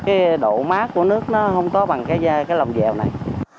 cái độ mát của nước nó không có bằng cái lồng dèo này